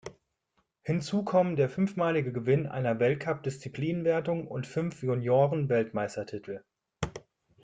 Hinzu kommen der fünfmalige Gewinn einer Weltcup-Disziplinenwertung und fünf Juniorenweltmeistertitel.